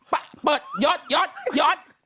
ไปเปิดยอดยอดยอด